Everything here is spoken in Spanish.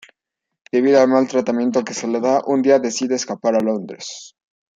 Debido al mal tratamiento que se le da, un día decide escapar a Londres.